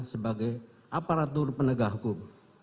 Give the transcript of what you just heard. sebagai aparatur penegak hukum